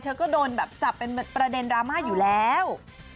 เธอก็โดนแบบจับเป็นประเด็นดราม่าอยู่แล้ว